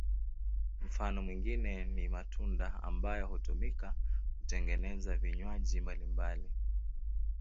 Mfano mwingine ni matunda ambayo hutumika kutengeneza vinywaji mbalimbali.